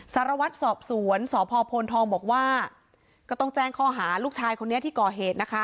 สารวัตรสอบสวนสพโพนทองบอกว่าก็ต้องแจ้งข้อหาลูกชายคนนี้ที่ก่อเหตุนะคะ